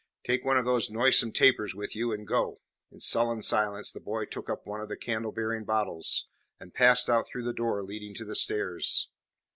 Take one of those noisome tapers with you, and go." In sullen silence the boy took up one of the candle bearing bottles and passed out through the door leading to the stairs.